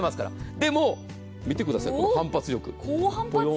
でも、見てください、この反発力。